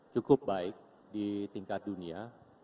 cukup baik di tingkat dunia